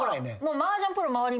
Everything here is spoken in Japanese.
マージャンプロ周り